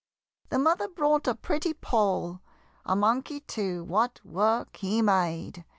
The mother brought a pretty Poll A monkey too, what work he made!